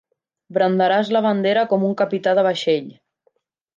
Brandaràs la bandera com un capità de vaixell.